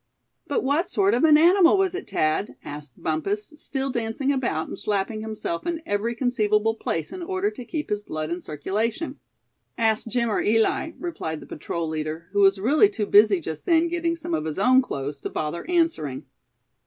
"But what sort of an animal was it, Thad?" asked Bumpus, still dancing about, and slapping himself in every conceivable place in order to keep his blood in circulation. "Ask Jim, or Eli," replied the patrol leader, who was really too busy just then getting some of his own clothes, to bother answering.